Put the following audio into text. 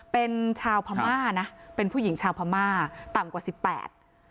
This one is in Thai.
เป็นชาวพม่านะเป็นผู้หญิงชาวพม่าต่ำกว่าสิบแปด